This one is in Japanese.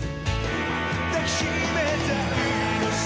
抱きしめたいのさ